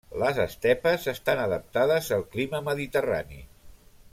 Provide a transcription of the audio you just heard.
Les estepes estan adaptades al clima mediterrani.